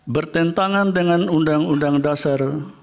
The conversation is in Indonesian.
bertentangan dengan undang undang dasar